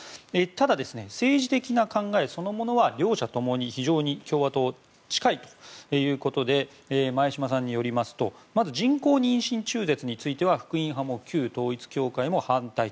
ただ政治的な考えそのものは両者ともに非常に共和党近いということで前嶋さんによりますとまず、人工妊娠中絶については福音派も旧統一教会も反対。